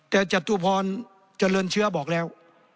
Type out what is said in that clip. แต่จตุพรเจริญเชื้อบอกแล้ว